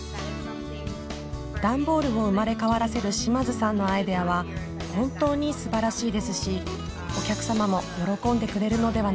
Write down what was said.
段ボールを生まれ変わらせる島津さんのアイデアは本当にすばらしいですしお客様も喜んでくれるのではないかと思います。